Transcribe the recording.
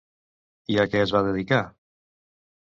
I a què es va dedicar?